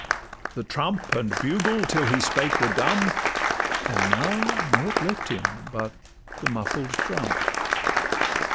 The trump and bugle till he spake were dumb— And now nought left him but the muffled drum.